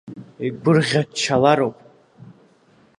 Игәырӷьа-ччалароуп.